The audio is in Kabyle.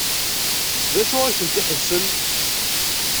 D acu ay ten-iḥebsen?